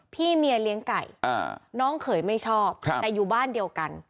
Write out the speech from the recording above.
พี่เมียเลี้ยงไก่น้องเขยไม่ชอบแต่อยู่บ้านเดียวกัน